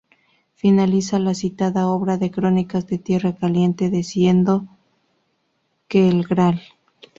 Finaliza la citada obra de Crónicas de Tierra Caliente diciendo que el Gral.